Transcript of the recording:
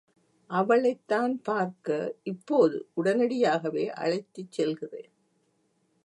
அவளைத்தான் பார்க்க இப்போது உடனடியாகவே அழைத்துச் செல்கிறேன்.